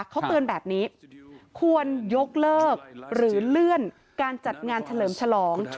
เขาเตือนแบบนี้ควรยกเลิกหรือเลื่อนการจัดงานเฉลิมฉลอง